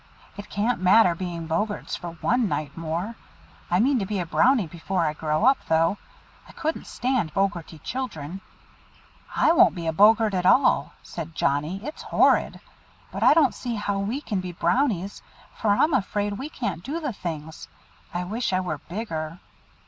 It can't matter being Boggarts for one night more. I mean to be a Brownie before I grow up, though. I couldn't stand boggarty children." "I won't be a Boggart at all," said Johnnie, "it's horrid. But I don't see how we can be Brownies, for I'm afraid we can't do the things. I wish I were bigger!"